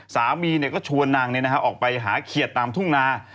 สามีก็ชวนนางออกไปหาเขียดตามทุ่งนา